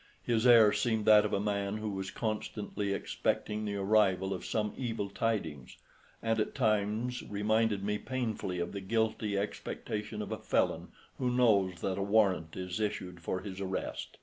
His air seemed that of a man who was constantly expecting the arrival of some evil tidings, and at times reminded me painfully of the guilty expectation of a felon who knows that a warrant is issued for his arrest.